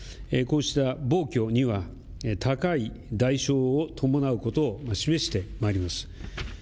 こうした暴挙には高い代償を伴うことを示してまいります。